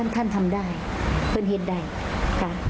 ท่านทำได้เพิ่งเหตุใดค่ะ